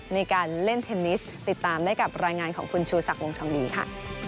ในการเล่นเทนนิสติดตามได้กับรายงานของคุณชูศักดิ์วงทองดีค่ะ